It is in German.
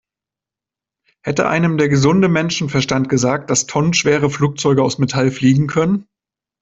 Hätte einem der gesunde Menschenverstand gesagt, dass tonnenschwere Flugzeuge aus Metall fliegen können?